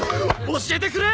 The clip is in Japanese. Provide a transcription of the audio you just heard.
教えてくれ！